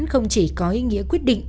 không chỉ có ý nghĩa quyết định